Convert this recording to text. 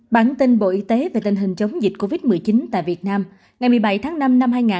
bản tin bộ y tế về tình hình chống dịch covid một mươi chín tại việt nam ngày một mươi bảy tháng năm năm hai nghìn hai mươi